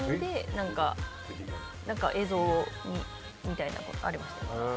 何か映像にみたいなことありましたよね。